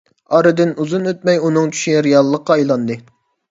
ئارىدىن ئۇزۇن ئۆتمەي ئۇنىڭ چۈشى رېئاللىققا ئايلاندى.